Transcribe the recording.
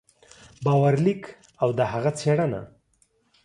باور لیک او د هغه څېړنه